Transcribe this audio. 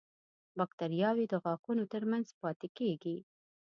باکتریاوې د غاښونو تر منځ پاتې کېږي.